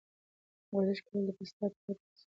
ورزش کول به ستا د بدن عضلې او د زړه حرکت روغ وساتي.